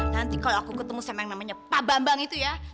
nanti kalau aku ketemu sama yang namanya pak bambang itu ya